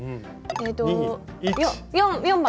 えっと４番！